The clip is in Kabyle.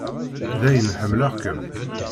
Dayen ḥemmleɣ-kem.